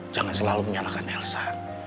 jangan selalu menyalahkan elsa